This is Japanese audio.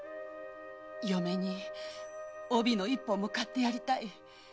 嫁に帯の一本も買ってやりたい。